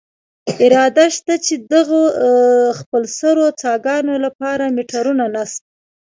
اراده شته، چې دغو خپلسرو څاګانو له پاره میټرونه نصب.